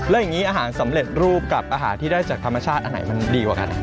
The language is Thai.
แล้วอย่างนี้อาหารสำเร็จรูปกับอาหารที่ได้จากธรรมชาติอันไหนมันดีกว่ากัน